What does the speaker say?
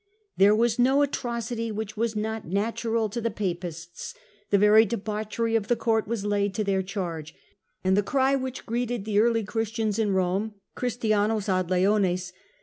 There was no atrocity which was not natural to the Papists ; the very debauchery of the court was laid to their charge ; and the cry which greeted the early Christians in Rome, • Christianos ad leones